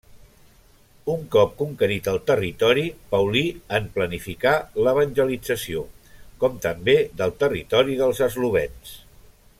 Un cop conquerit el territori, Paulí en planificà l'evangelització, com també del territori dels eslovens.